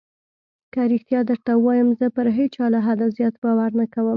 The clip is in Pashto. که رښتيا درته ووايم زه پر هېچا له حده زيات باور نه کوم.